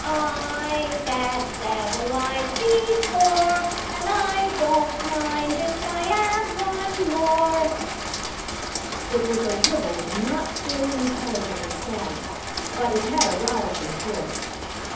I've 'ad seven wives before, And I don't mind if I 'ave one more " It was a ribald, not very intelligible song. But it had a rousing chorus.